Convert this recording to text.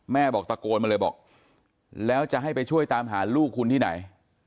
แม่บอกตะโกนมาเลยบอกแล้วจะให้ไปช่วยตามหาลูกคุณที่ไหน